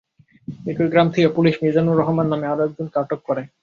একই গ্রাম থেকে পুলিশ মিজানুর রহমান নামে আরও একজনকে আটক করে।